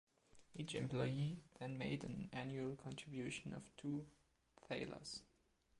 Each employee then made an annual contribution of two Thalers.